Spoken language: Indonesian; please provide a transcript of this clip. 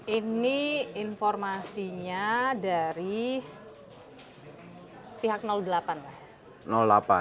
ini informasinya dari pihak delapan lah